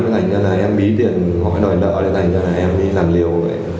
thành ra là em bí tiền gọi đòi đỡ để thành ra là em đi làm liều